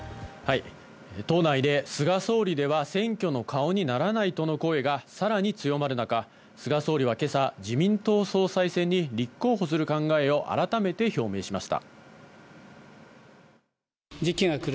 党内で、菅総理では選挙の顔にならないとの声がさらに強まる中、菅総理は今朝、自民党総裁選に立候補する考えを改めて表明しました。